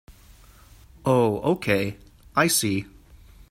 Oh okay, I see.